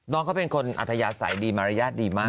น้องเขาเป็นคนอัธยาศัยดีมารยาทดีมาก